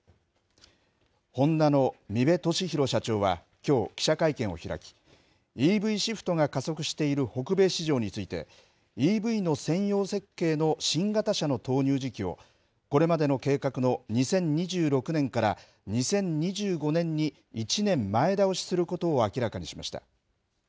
ホンダの三部敏宏社長はきょう、記者会見を開き、ＥＶシフトが加速している北米市場について、ＥＶの専用設計の新型車の投入時期を、これまでの計画の２０２６年から２０２５年に１年前倒しすることを明らかにしました。